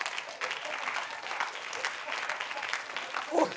おい！